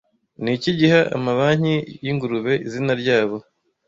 Niki giha amabanki yingurube izina ryabo